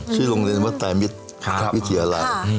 ชื่อโรงเรียนวัตรายมิถยาลัย